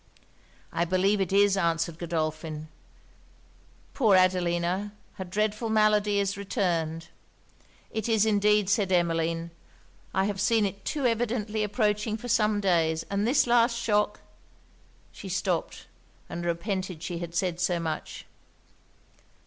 'I believe it is,' answered Godolphin. 'Poor Adelina! her dreadful malady is returned.' 'It is indeed,' said Emmeline. 'I have seen it too evidently approaching for some days; and this last shock' she stopped, and repented she had said so much.